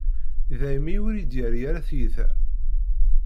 Daymi ur iyi-d-yerri ara tiyita.